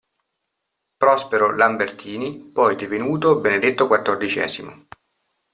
Prospero Lambertini, poi divenuto Benedetto XIV.